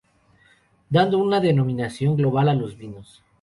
Dando una denominación global a los vinos.